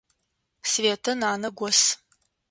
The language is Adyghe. Светэ нанэ гос.